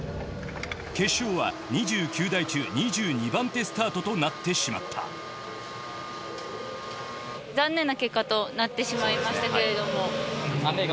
決勝は２９台中２２番手スタートとなってしまった残念な結果となってしまいましたけれども。